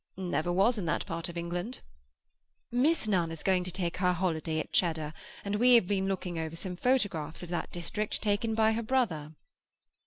"Never was in that part of England." "Miss Nunn is going to take her holiday at Cheddar and we have been looking over some photographs of that district taken by her brother."